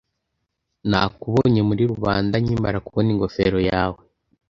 Nakubonye muri rubanda nkimara kubona ingofero yawe.